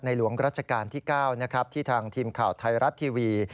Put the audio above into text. หลวงรัชกาลที่๙นะครับที่ทางทีมข่าวไทยรัฐทีวี